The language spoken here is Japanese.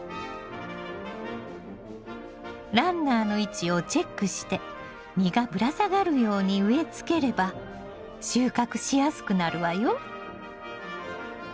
ランナーの位置をチェックして実がぶら下がるように植え付ければ収穫しやすくなるわよ。